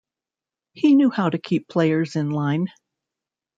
He knew how to keep players in line.